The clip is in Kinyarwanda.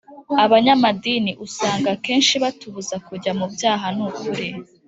Abanyamadini usanga kenshi batubuza kujya mubyaha nukuri